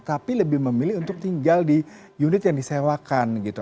tapi lebih memilih untuk tinggal di unit yang disewakan gitu